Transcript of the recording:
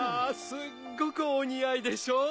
すっごくお似合いでしょう？